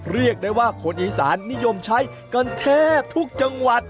เรียกได้ว่าคนอีสานนิยมใช้กันแทบทุกจังหวัด